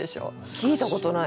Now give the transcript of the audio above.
聞いたことないです。